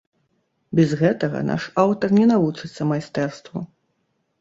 Без гэтага наш аўтар не навучыцца майстэрству.